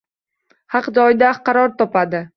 Haq joyida qaror topadi.